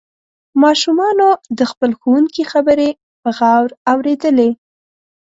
ماشومانو د خپل ښوونکي خبرې په غور اوریدلې.